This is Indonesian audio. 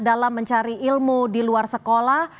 dalam mencari ilmu di luar sekolah